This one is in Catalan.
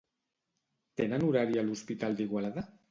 Tenen horari a l'hospital d'Igualada?